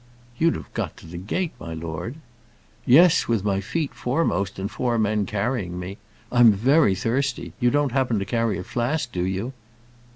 "You'd have got to the gate, my lord." "Yes; with my feet foremost, and four men carrying me. I'm very thirsty. You don't happen to carry a flask, do you?"